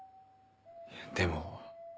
でも。